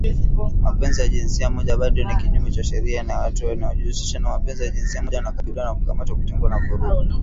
Mapenzi ya jinsia moja bado ni kinyume cha sheria na watu wanaojihusisha na mapenzi ya jinsia moja wanakabiliwa na kukamatwa, kutengwa na vurugu